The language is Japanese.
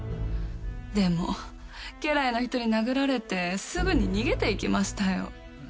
でも家来の人に殴られてすぐに逃げていきましたよ。